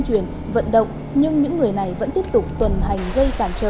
truyền vận động nhưng những người này vẫn tiếp tục tuần hành gây cản trở